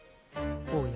おや？